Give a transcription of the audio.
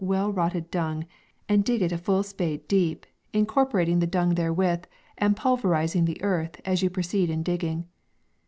U Totted dung, aad dig it a full spade deep, in 70 UAY. corporating the dung therewith, and pulveri zing the earth as you proceed in digging.